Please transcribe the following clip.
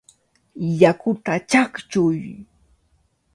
¡Yakuta chaqchuy!